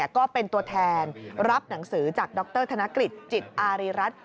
ก็เป็นตัวแทนรับหนังสือจากดรธนกฤษจิตอารีรัฐ